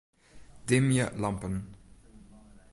Dimje lampen.